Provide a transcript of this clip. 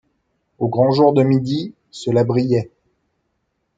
Au grand jour de midi, cela brillait.